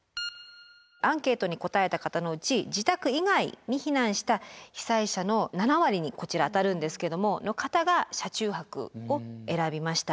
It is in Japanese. アンケートに答えた方のうち自宅以外に避難した被災者の７割にこちらあたるんですけどもの方が車中泊を選びました。